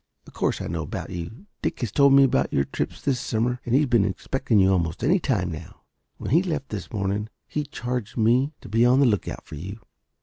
"Of course I know about you. Dick has told me about your trips this summer and he's been expecting you almost any time now. When he left this morning he charged me to be on the lookout for you.